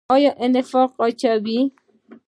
آیا نفاق واچوي؟